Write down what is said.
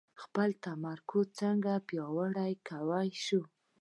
خپل تمرکز څنګه پياوړی کولای شئ؟